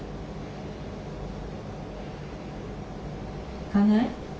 行かない？